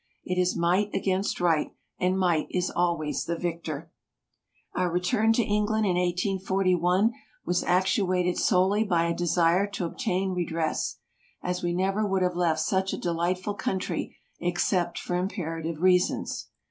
It is might against right, and might is always the victor. Our return to England in 1841 was actuated solely by a desire to obtain redress, as we never would have left such a delightful country except for imperative reasons.